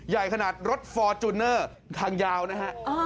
ใหญ่ขนาดรถฟอร์จูเนอร์ทางยาวนะฮะ